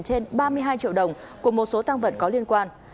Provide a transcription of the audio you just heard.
trên ba mươi hai triệu đồng của một số tăng vận có liên quan